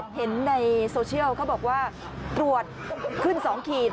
เห็นในโซเชียลเขาบอกว่าตรวจขึ้น๒ขีด